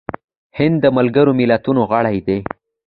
هند د ملګرو ملتونو غړی دی.